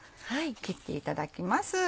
切っていただきます。